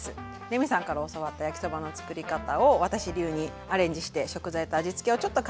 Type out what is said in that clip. レミさんから教わった焼きそばの作り方を私流にアレンジして食材と味付けをちょっと変えて作りました。